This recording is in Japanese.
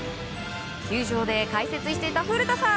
球場で解説していた古田さん。